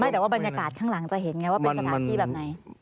แต่ว่าบรรยากาศข้างหลังจะเห็นไงว่าเป็นสถานที่แบบไหน